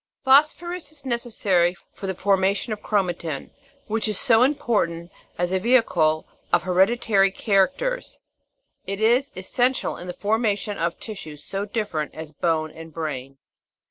Phosphorus is neces sary for the formation of chromatin, which is so important as a vehicle of hereditary characters ; it is essential in the formation of tissues so different as bone and brain.